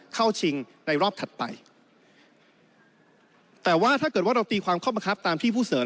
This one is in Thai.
เข้าชิงในรอบถัดไปแต่ว่าถ้าเกิดว่าเราตีความข้อบังคับตามที่ผู้เสริญ